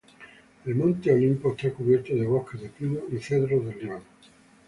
El Monte Olimpo está cubierto de bosques de pinos y cedros del Líbano.